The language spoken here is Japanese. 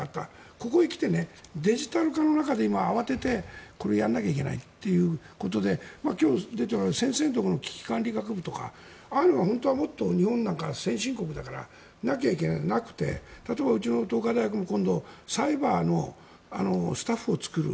ここへ来て、デジタル化の中で今、慌ててこれをやらなきゃいけないということで今日、出ている先生のところの危機管理学部だとかああいうのが本当はもっと日本は先進国だからなきゃいけないのになくて例えば、うちの東海大学も今度サイバーのスタッフを作る。